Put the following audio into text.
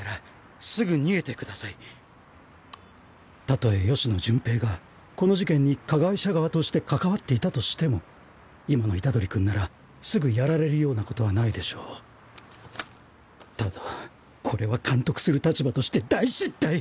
たとえ吉野順平がこの事件に加害者側として関わっていたとしても今の虎杖君ならすぐやられるようなことはないでしょう。ただこれは監督する立場として大失態！